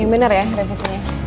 yang bener ya revisinya